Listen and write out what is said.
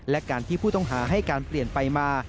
และการที่ผู้ต้องหาให้การเปลี่ยนไปมา